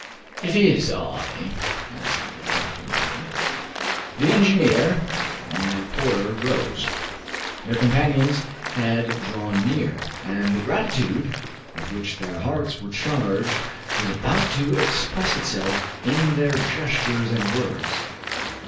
"It is I," answered the captain simply. The engineer and the reporter rose. Their companions had drawn near, and the gratitude with which their hearts were charged was about to express itself in their gestures and words.